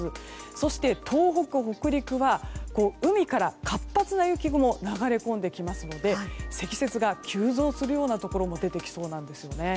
そして、東北・北陸は海から活発な雪雲が流れ込んできますので積雪が急増するようなところが出てきそうなんですよね。